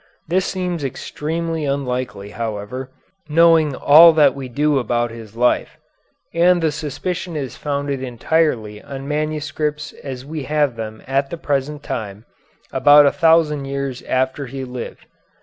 This seems extremely unlikely, however, knowing all that we do about his life; and the suspicion is founded entirely on manuscripts as we have them at the present time, about a thousand years after he lived.